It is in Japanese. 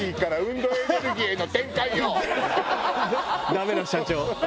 ダメな社長。